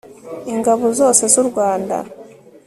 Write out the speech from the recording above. ingabo zose z'u rwanda